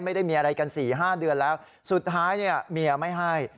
ไม่ได้มีอะไรกัน๔๕เดือนแล้วสุดท้ายเนี่ยเมียไม่ให้